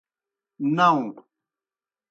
ناؤں۔